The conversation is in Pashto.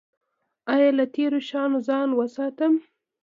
ایا له تیرو شیانو ځان وساتم؟